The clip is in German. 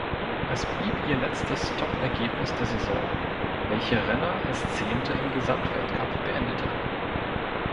Es blieb ihr letztes Top-Ergebnis der Saison, welche Renner als Zehnte im Gesamtweltcup beendete.